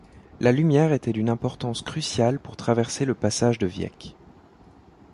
La lumière était d’une importance cruciale pour traverser le passage de Vieques.